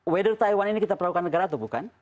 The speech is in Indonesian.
whether taiwan ini kita perlakukan negara atau bukan